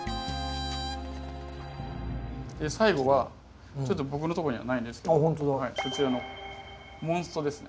最後はちょっと僕のとこにはないんですけどそちらのモンストですね。